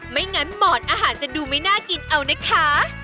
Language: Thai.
ไม่งั้นหมอนอาหารจะดูไม่น่ากินเอานะคะ